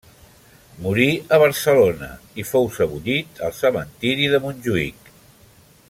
Morí a Barcelona i fou sebollit al Cementiri de Montjuïc.